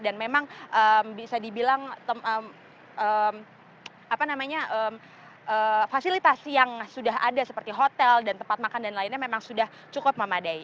dan memang bisa dibilang fasilitasi yang sudah ada seperti hotel dan tempat makan dan lainnya memang sudah cukup memadai